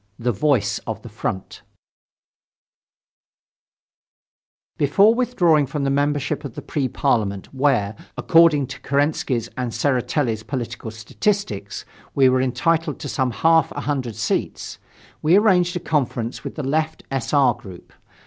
THE VOICE OF THE FRONT Before withdrawing from the membership in the Pre Parliament where, according to Kerensky's and Tseretelli's political statistics, we were entitled to some half a hundred seats, we arranged a conference with the left S. R. group.